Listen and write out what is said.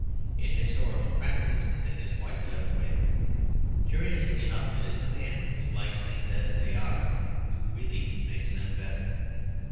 In historical practice the thing is quite the other way; curiously enough, it is the man who likes things as they are who really makes them better.